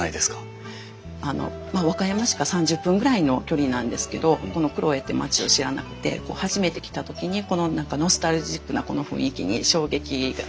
和歌山市から３０分ぐらいの距離なんですけどこの黒江って町を知らなくて初めて来た時にこの何かノスタルジックなこの雰囲気に衝撃を感じて。